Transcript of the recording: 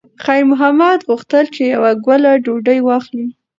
خیر محمد غوښتل چې یوه ګوله ډوډۍ واخلي.